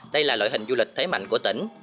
đây là loại hình du lịch thế mạnh của tỉnh